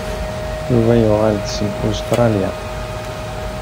Yuba yuɣal-d seg Ustṛalya.